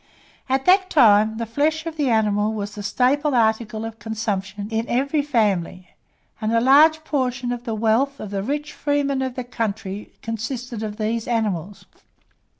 At that time, the flesh of the animal was the staple article of consumption in every family, and a large portion of the wealth of the rich freemen of the country consisted of these animals.